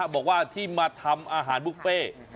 บอกว่าที่มาทำอาหารบุฟเฟ่